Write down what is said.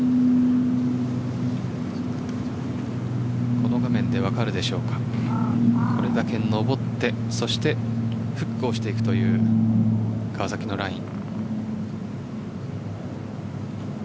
この場面ではこれだけ上ってそしてフックをしていくという川崎のライン。